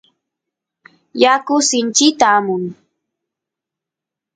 yaku sinchita amun